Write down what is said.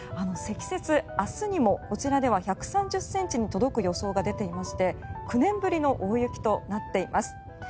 積雪、明日にもこちらでは１３０ｃｍに届く予想が出ていまして９年ぶりの大雪となっています。